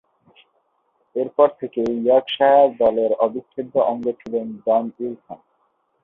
এরপর থেকে ইয়র্কশায়ার দলের অবিচ্ছেদ্য অঙ্গ ছিলেন ডন উইলসন।